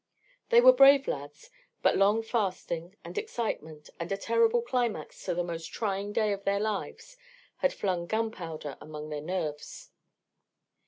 They were brave lads; but long fasting, and excitement, and a terrible climax to the most trying day of their lives, had flung gunpowder among their nerves.